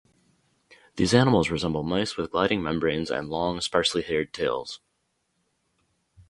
These animals resemble mice with gliding membranes and long, sparsely-haired tails.